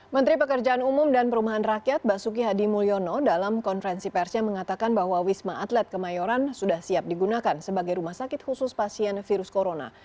menteri pekerjaan umum dan perumahan rakyat basuki hadi mulyono dalam konferensi persnya mengatakan bahwa wisma atlet kemayoran sudah siap digunakan sebagai rumah sakit khusus pasien virus corona